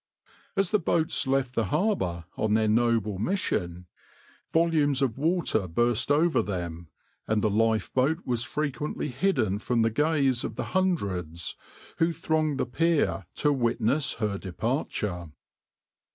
As the boats left the harbour on their noble mission, volumes of water burst over them, and the lifeboat was frequently hidden from the gaze of the hundreds who thronged the pier to witness her departure.